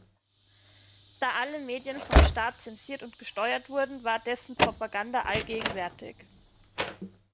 Da alle Medien vom Staat zensiert und gesteuert wurden, war dessen Propaganda allgegenwärtig.